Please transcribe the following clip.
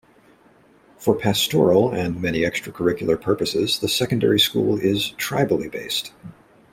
For pastoral and many extra-curricular purposes the Secondary School is "Tribally" based.